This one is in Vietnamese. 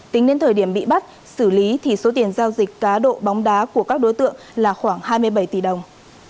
tính đến thời điểm bị bắt xử lý thì số tiền giao dịch cá độ bóng đá của các đối tượng là khoảng hai mươi bảy tỷ đồng